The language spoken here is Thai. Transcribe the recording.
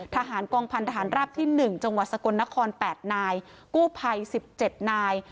ทหารกองพันธหารราบที่๑จังหวัดสกลนคร๘นายกู้ภัย๑๗นาย